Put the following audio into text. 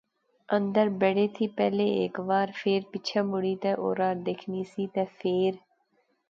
اندر بڑے تھی پہلے ہیک وار فیر پچھے مڑی تہ اورار دیکھنی سی تہ فیر